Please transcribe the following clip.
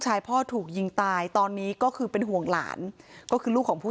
พ่อถูกยิงตายตอนนี้ก็คือเป็นห่วงหลานก็คือลูกของผู้